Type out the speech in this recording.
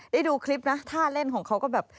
ได้ดูคลิปนะท่าเล่นของเขาก็แบบ